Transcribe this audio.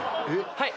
はい！